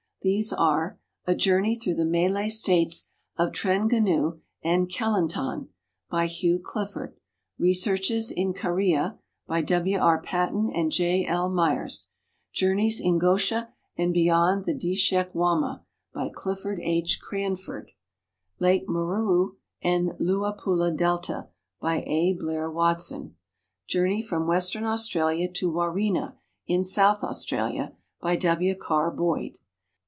These are, "A Journey Through the Malay States of Trengganu and Kelantan," by Hugh Clifford; '^'Researches in Karia," by W. R. Paton and J. L. Myres; "Journeys in Gosha and Beyond the Deshek Wama," by Clifford H. Craufurd ;" Lake Mweru and the Luapula Delta," by A. Blair Watson ;" Journey from Western Australia to Warina, in South Australia," by W. Carr Boyd.